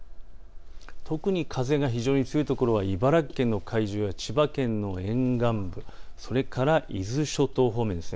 特に風が非常に強い所は茨城県の海上や千葉県の沿岸部、それから伊豆諸島方面です。